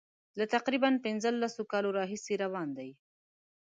له تقریبا پنځلسو کالو راهیسي روان دي.